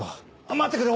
待ってくれ！